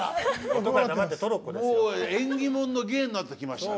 縁起物の芸になってきましたね。